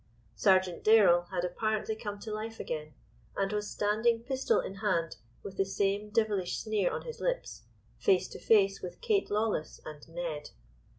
Sergeant Dayrell had apparently come to life again, and was standing pistol in hand with the same devilish sneer on his lips, face to face with Kate Lawless and Ned.